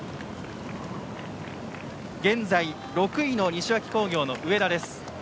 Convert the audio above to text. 現在６位の西脇工業の上田です。